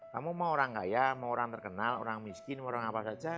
kamu mau orang kaya mau orang terkenal orang miskin mau orang apa saja